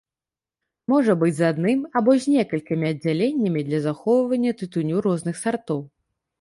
Можа быць з адным або з некалькімі аддзяленнямі для захоўвання тытуню розных сартоў.